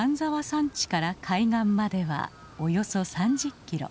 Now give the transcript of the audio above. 山地から海岸まではおよそ３０キロ。